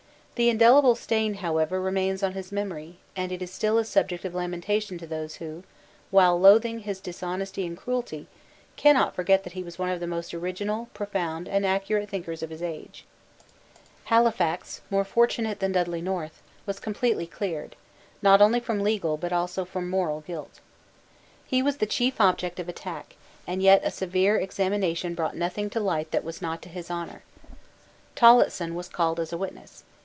The indelible stain however remains on his memory, and is still a subject of lamentation to those who, while loathing his dishonesty and cruelty, cannot forget that he was one of the most original, profound and accurate thinkers of his age, Halifax, more fortunate than Dudley North, was completely cleared, not only from legal, but also from moral guilt. He was the chief object of attack; and yet a severe examination brought nothing to light that was not to his honour. Tillotson was called as a witness.